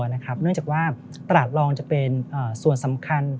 เนื่องจากว่าตลาดรองจะเป็นส่วนสำคัญ